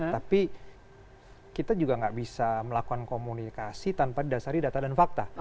tapi kita juga nggak bisa melakukan komunikasi tanpa didasari data dan fakta